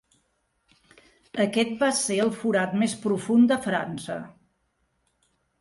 Aquest va ser el forat més profund de França.